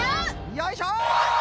よいしょ！